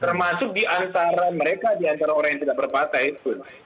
termasuk di antara mereka di antara orang yang tidak berpatah itu